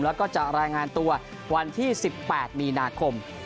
แล้วก็จะรายงานตัววันที่๑๘มีนาคม